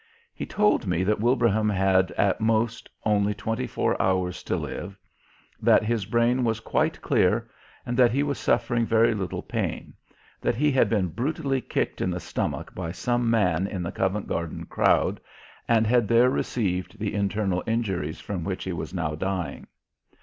He told me that Wilbraham had at most only twenty four hours to live, that his brain was quite clear, and that he was suffering very little pain, that he had been brutally kicked in the stomach by some man in the Covent Garden crowd and had there received the internal injuries from which he was now dying.